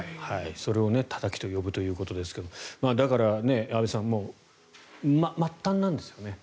それをたたきと呼ぶということですがだから、安部さん末端なんですよね